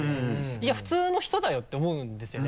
いや普通の人だよって思うんですよね